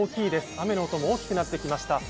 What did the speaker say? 雨の音も大きくなってきました。